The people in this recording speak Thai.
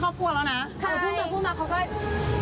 ขออนุญาตภรรยาด้วยนะ